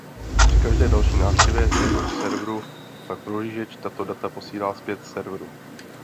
Při každé další návštěvě téhož serveru pak prohlížeč tato data posílá zpět serveru.